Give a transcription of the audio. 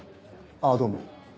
あぁどうも。